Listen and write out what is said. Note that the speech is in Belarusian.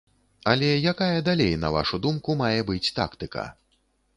Але якая далей, на вашу думку, мае быць тактыка?